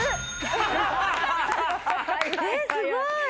えっすごい！